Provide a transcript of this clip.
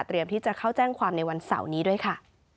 ที่จะเข้าแจ้งความในวันเสาร์นี้ด้วยค่ะ